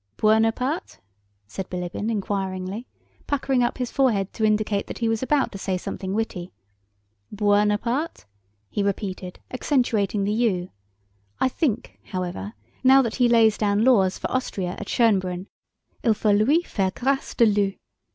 "Buonaparte?" said Bilíbin inquiringly, puckering up his forehead to indicate that he was about to say something witty. "Buonaparte?" he repeated, accentuating the u: "I think, however, now that he lays down laws for Austria at Schönbrunn, il faut lui faire grâce de l'u!